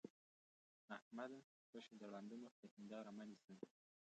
احمده! خوشې د ړانده مخ ته هېنداره مه نيسه.